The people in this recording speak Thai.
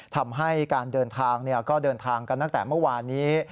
ทำให้การเดินทางก็เดินทางกันตั้งแต่เมื่อวานนี้